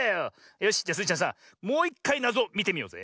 よしじゃスイちゃんさもういっかいなぞみてみようぜ。